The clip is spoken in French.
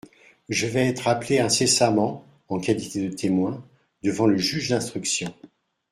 Je vais être appelé incessamment, en qualité de témoin, devant le juge d'instruction.